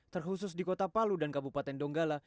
terkhusus di kota palu dan kabupaten donggala